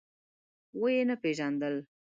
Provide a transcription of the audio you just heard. ويې نه پيژاندل.